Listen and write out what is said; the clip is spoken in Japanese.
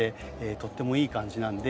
とってもいい感じなんで。